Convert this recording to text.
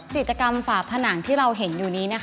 จิตกรรมฝาผนังที่เราเห็นอยู่นี้